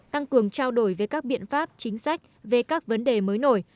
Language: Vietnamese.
tăng cường trao đổi về các biện pháp chính sách về các vấn đề mới nổi